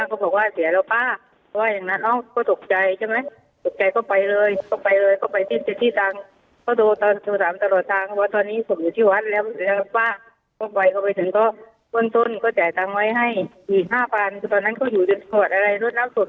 ก็วางคงผิดด้วยหนึ่งตรวงแล้วก็แล้วก็หลังจากนั้นก็แปรงศพ